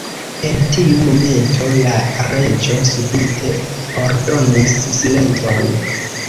En tiu momento la Reĝo subite ordonis "Silenton!"